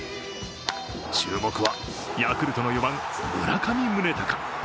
注目は、ヤクルトの４番・村上宗隆。